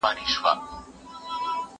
زه پرون د تکړښت لپاره وم!!